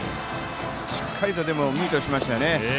しっかりとミートしましたよね。